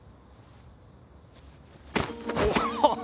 おっ！